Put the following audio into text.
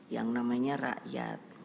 yang namanya rakyat